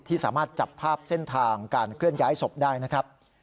สามารถจับภาพเส้นทางการเคลื่อนย้ายศพได้นะครับ